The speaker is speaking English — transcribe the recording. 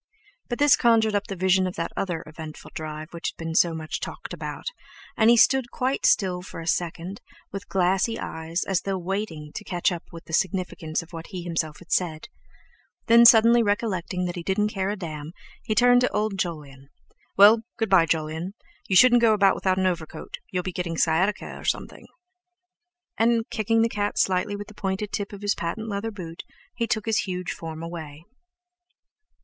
But this conjured up the vision of that other eventful drive which had been so much talked about, and he stood quite still for a second, with glassy eyes, as though waiting to catch up with the significance of what he himself had said; then, suddenly recollecting that he didn't care a damn, he turned to old Jolyon: "Well, good bye, Jolyon! You shouldn't go about without an overcoat; you'll be getting sciatica or something!" And, kicking the cat slightly with the pointed tip of his patent leather boot, he took his huge form away.